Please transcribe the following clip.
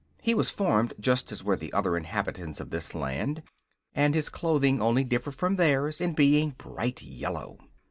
He was formed just as were the other inhabitants of this land and his clothing only differed from theirs in being bright yellow.